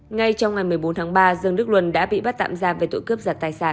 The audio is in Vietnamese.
ngay trong ngày một mươi bốn tháng ba dương đức luân đã bị bắt tạm giam về tội cướp giật tài sản